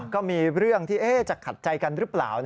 ก็มีเรื่องที่จะขัดใจกันหรือเปล่า